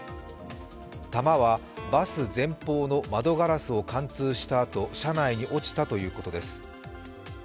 弾はバス前方の窓ガラスを貫通したあと車内に落ちたということです。